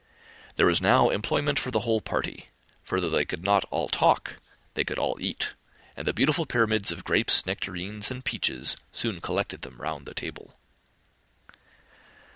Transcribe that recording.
There was now employment for the whole party; for though they could not all talk, they could all eat; and the beautiful pyramids of grapes, nectarines, and peaches, soon collected them round the table.